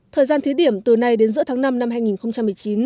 thời gian thí điểm từ nay đến giữa tháng năm năm hai nghìn một mươi chín